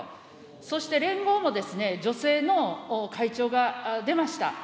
そして連合も女性の会長が出ました。